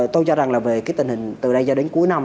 tôi cho rằng là về cái tình hình từ đây cho đến cuối năm